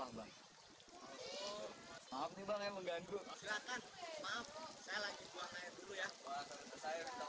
dik dari mana dik